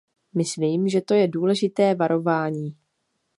Myslím, že to je důležité varování.